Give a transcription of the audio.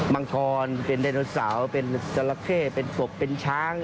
ังคอนเป็นไดโนเสาร์เป็นจราเข้เป็นปกเป็นช้าง